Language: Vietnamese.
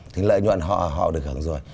thì lợi nhuận họ họ được hưởng rồi